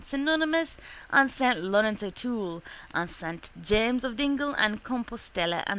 Synonymous and S. Laurence O'Toole and S. James of Dingle and Compostella and S.